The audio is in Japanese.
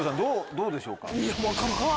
どうでしょうか？